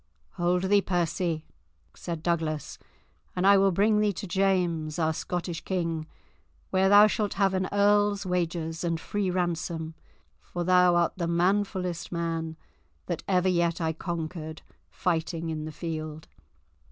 "Hold thee, Percy," said Douglas, "and I will bring thee to James, our Scottish king, where thou shalt have an earl's wages and free ransom, for thou art the manfullest man that ever yet I conquered fighting in the field."